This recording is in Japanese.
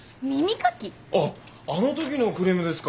あっあのときのクレームですか。